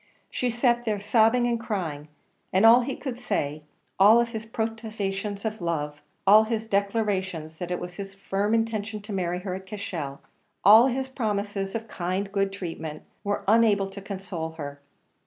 She sat there sobbing and crying, and all he could say all his protestations of love all his declarations that it was his firm intention to marry her at Cashel all his promises of kind and good treatment, were unable to console her.